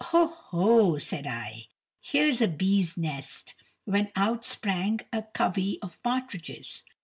"Oh, ho," said I, "here's a bee's nest," when out sprang a covey of partridges.